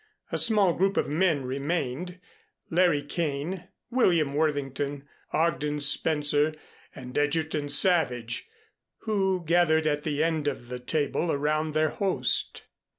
A small group of men remained, Larry Kane, William Worthington, Ogden Spencer, and Egerton Savage, who gathered at the end of the table around their host.